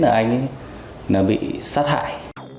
anh bị sát hại